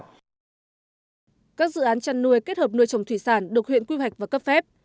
các dự án chăn nuôi kết hợp nuôi trồng thủy sản được huyện quy hoạch và cấp phép